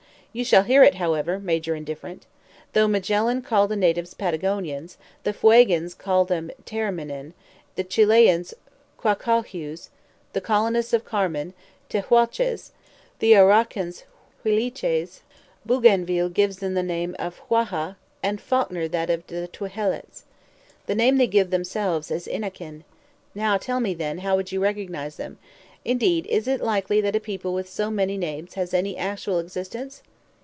"You shall hear it, however, Major Indifferent. Though Magellan called the natives Patagonians, the Fuegians called them Tiremenen, the Chilians Caucalhues, the colonists of Carmen Tehuelches, the Araucans Huiliches; Bougainville gives them the name of Chauha, and Falkner that of Tehuelhets. The name they give themselves is Inaken. Now, tell me then, how would you recognize them? Indeed, is it likely that a people with so many names has any actual existence?"